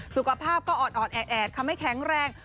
สุขภาพก็อ่อนแอดทำให้แข็งแรง